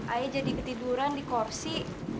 ayah jadi ketiduran di kursi